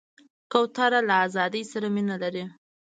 کوتره له آزادۍ سره مینه لري.